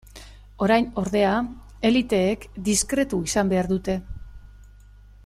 Orain, ordea, eliteek diskretu izan behar dute.